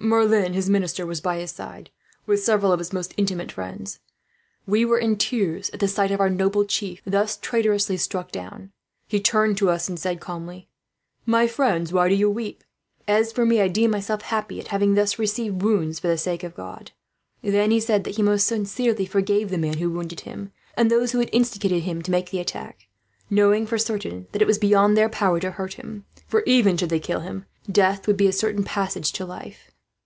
Merlin, his minister, was by his side, with several of his most intimate friends. We were in tears at the sight of our noble chief thus traitorously struck down. He turned to us and said calmly: "'My friends, why do you weep? As for me, I deem myself happy at having thus received wounds for the sake of God.' "Then he said that, most sincerely, he forgave the man who wounded him, and those who had instigated him to make the attack; knowing for certain that it was beyond their power to hurt him for, even should they kill him, death would be a certain passage to life."